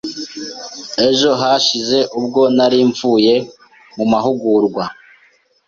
Ejo hashize ubwo nari mvuye mu mahugurwa